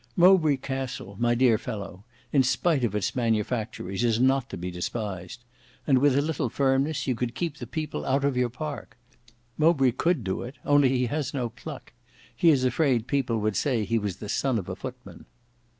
Mowbray Castle, my dear fellow, in spite of its manufactories, is not to be despised. And with a little firmness, you could keep the people out of your park. Mowbray could do it, only he has no pluck. He is afraid people would say he was the son of a footman."